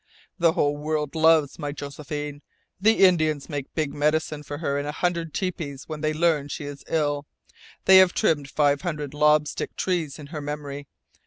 The whole world loves my Josephine. The Indians make the Big Medicine for her in a hundred tepees when they learn she is ill. They have trimmed five hundred lob stick trees in her memory.